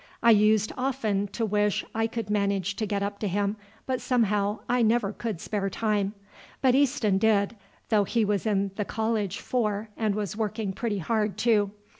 I used often to wish I could manage to get up to him, but somehow I never could spare time; but Easton did, though he was in the college four and was working pretty hard too.